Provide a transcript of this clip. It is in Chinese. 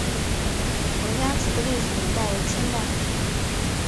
彭家祠的历史年代为清代。